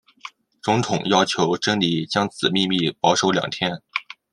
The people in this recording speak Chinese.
总统要求珍妮将此秘密保守两天。